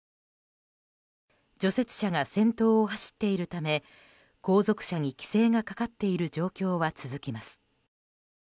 除雪車が先頭を走っているため後続車に規制がかかっている状況は続きます。